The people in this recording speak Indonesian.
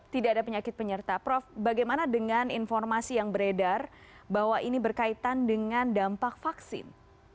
tidak ada penyakit penyerta prof bagaimana dengan informasi yang beredar bahwa ini berkaitan dengan dampak vaksin